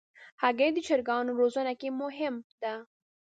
هګۍ د چرګانو روزنه کې مهم ده.